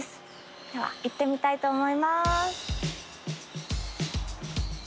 では行ってみたいと思います。